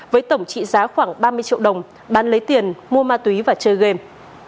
với tổng trị giá khoảng ba mươi triệu đồng bán lấy tiền mua ma túy và chơi game